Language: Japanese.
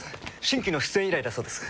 新規の出演依頼だそうです。